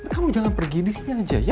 kamu jangan pergi disini aja ya